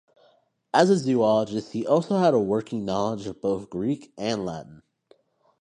As a zoologist, he also had a working knowledge of both Greek and Latin.